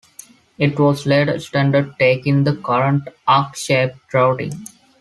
It was later extended, taking the current arc-shaped routing.